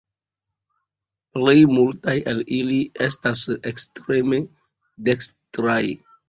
Plej multaj el ili estas ekstreme dekstraj.